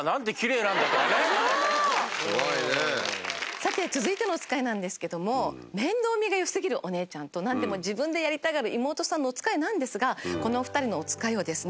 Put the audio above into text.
さて続いてのおつかいなんですけども面倒見が良過ぎるお姉ちゃんと何でも自分でやりたがる妹さんのおつかいなんですがこの２人のおつかいをですね